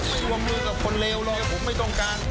ไม่รวมมือกับคนเลวเลยผมไม่ต้องการ